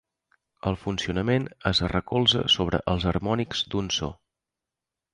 El funcionament es recolza sobre els harmònics d'un so.